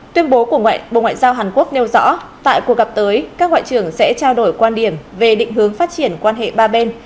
tuyên bố của bộ ngoại giao hàn quốc nêu rõ tại cuộc gặp tới các ngoại trưởng sẽ trao đổi quan điểm về định hướng phát triển quan hệ ba bên